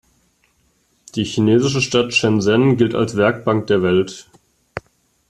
Die chinesische Stadt Shenzhen gilt als „Werkbank der Welt“.